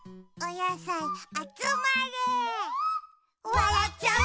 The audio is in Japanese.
「わらっちゃう」